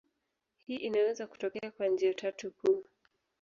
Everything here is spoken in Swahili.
Hii inaweza kutokea kwa njia tatu kuu.